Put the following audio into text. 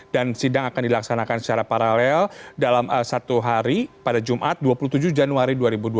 dan sidang akan dilaksanakan secara paralel dalam satu hari pada jumat dua puluh tujuh januari dua ribu dua puluh tiga